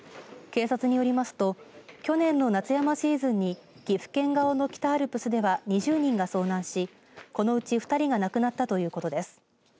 警察によりますと去年の夏山シーズンに岐阜県側の北アルプスでは２０人が遭難しこのうち２人が亡くなったということです。